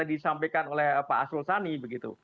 disampaikan oleh pak asyulsani begitu